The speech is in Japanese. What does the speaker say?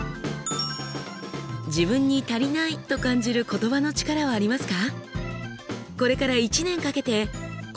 自分に足りないと感じる言葉の力はありますか？